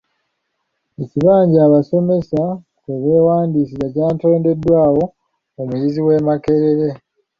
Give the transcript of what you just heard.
Ekibanja abasomsesa kwe beewandiisiza kyatondeddwawo omuyizi w'e Makerere.